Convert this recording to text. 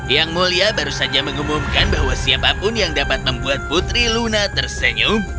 yang mulia baru saja mengumumkan bahwa siapapun yang dapat membuat putri luna tersenyum